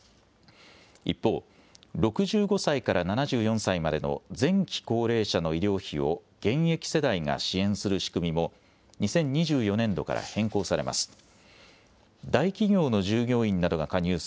一方、６５歳から７４歳までの前期高齢者の医療費を現役世代が支援する仕組みも、２０２４年度から変更されます。